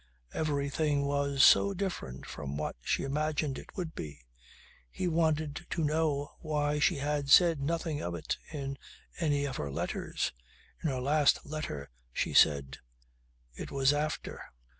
Everything was so different from what she imagined it would be. He wanted to know why she had said nothing of it in any of her letters; in her last letter. She said: "It was after."